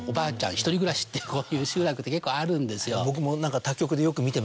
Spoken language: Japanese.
１人暮らしっていう集落って結構あるんですよ。